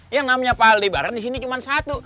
yang namanya pak aldai barang di sini cuma satu